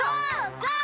ゴー！